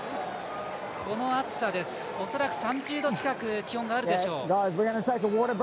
この暑さで恐らく３０度近く気温があるでしょう。